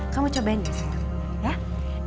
kamu cobain ya siang